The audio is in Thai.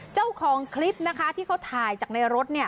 เจ้าของคลิปนะคะที่เขาถ่ายจากในรถ